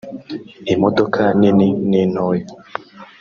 imodoka nini n’intoya